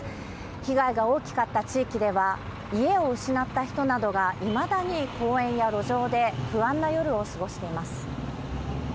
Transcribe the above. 被害が大きかった地域では、家を失った人などがいまだに公園や路上で不安な夜を過ごしています。